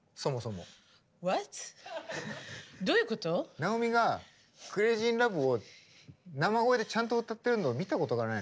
直美が「ＣｒａｚｙＩｎＬｏｖｅ」を生声でちゃんと歌ってるのを見たことがない。